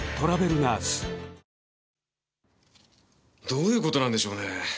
どういう事なんでしょうね。